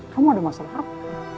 kamu ada masalah apa